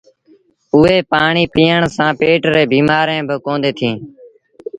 اُئي ڦآڻيٚ پيٚئڻ سآݩ پيٽ ريٚݩ بيٚمآريٚݩ با ڪونديٚݩ ٿئيٚݩ۔